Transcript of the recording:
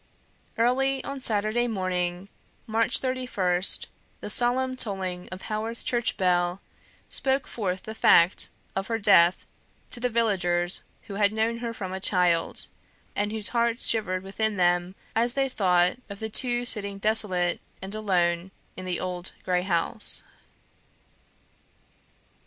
Early on Saturday morning, March 31st, the solemn tolling of Haworth church bell spoke forth the fact of her death to the villagers who had known her from a child, and whose hearts shivered within them as they thought of the two sitting desolate and alone in the old grey house.